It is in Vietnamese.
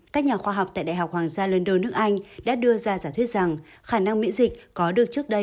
các nhà khoa học tại đại học hoàng gia london nước anh đã đưa ra giả thuyết rằng khả năng miễn dịch có được trước đây